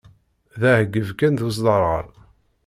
D aεyyeb kan d usderɣel.